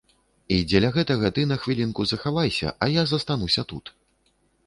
І дзеля гэтага ты на хвілінку захавайся, а я застануся тут.